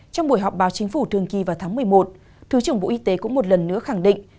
trong buổi họp báo chính phủ thường kỳ vào tháng một mươi một thứ trưởng bộ y tế cũng một lần nữa khẳng định